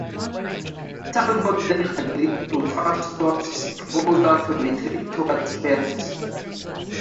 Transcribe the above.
Talbot then agreed to Fastolf's proposal to retreat towards Paris.